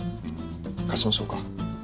貸しましょうか？